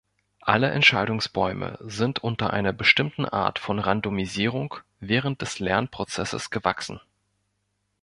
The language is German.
Alle Entscheidungsbäume sind unter einer bestimmten Art von Randomisierung während des Lernprozesses gewachsen.